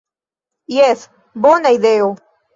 Jes, bona ideo!"